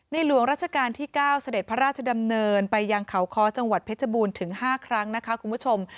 หลวงราชการที่๙เสด็จพระราชดำเนินไปยังเขาค้อจังหวัดเพชรบูรณ์ถึง๕ครั้งนะคะคุณผู้ชม